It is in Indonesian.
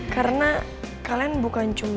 karena kalian bukan cuma